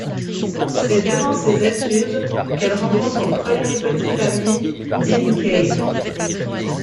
C'est durant ses études qu'elle rencontre son premier petit ami, Dean Cain.